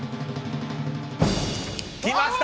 来ました！